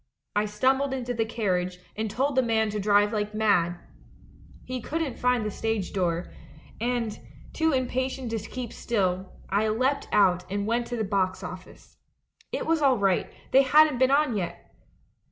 I stumbled into the carriage, and told the man to drive like mad. "He couldn't find the stage door, and, too im patient to keep still, I leapt out and went to the box office. It was all right, they hadn't been on yet!